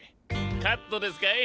カットですかい？